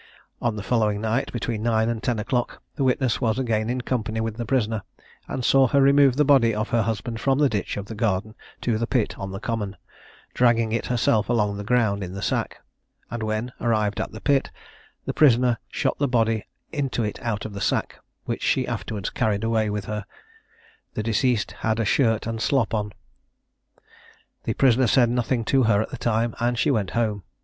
On the following night, between nine and ten o'clock, the witness was again in company with the prisoner, and saw her remove the body of her husband from the ditch of the garden to the pit on the common, dragging it herself along the ground in the sack; and, when arrived at the pit, the prisoner shot the body into it out of the sack, which she afterwards carried away with her: the deceased had a shirt and slop on. The prisoner said nothing to her at the time, and she went home.